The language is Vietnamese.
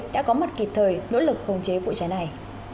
đã có mặt kịp thời nỗ lực khống chế vụ cháy này